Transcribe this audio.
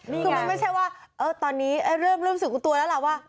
คือมันไม่ใช่ว่าตอนนี้เริ่มรู้สึกรู้ตัวแล้วล่ะว่า